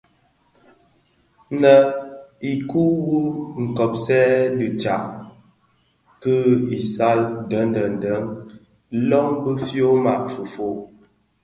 Nnè ikuu nwu kopsèn dhi tsak ki isal den denden lön bi fyoma fifog.